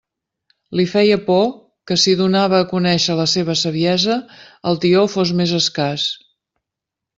Li feia por que, si donava a conèixer la seva saviesa, el tió fos més escàs.